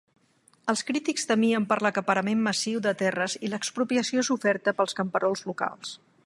Els crítics temien per l'acaparament massiu de terres i l'expropiació soferta pels camperols locals.